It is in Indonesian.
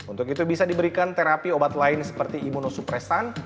untuk itu bisa diberikan terapi obat lain seperti imunosupresan